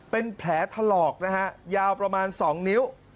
เป็นแผลถลอกนะฮะยาวประมาณ๒นิ้ว